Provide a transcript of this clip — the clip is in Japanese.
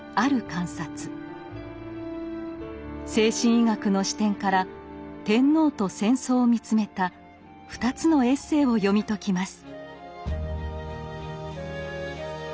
精神医学の視点から「天皇」と「戦争」を見つめた２つのエッセイを読み解きます。